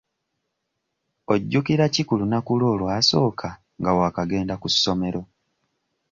Ojjukira ki ku lunaku lwo olwasooka nga waakagenda ku ssomero?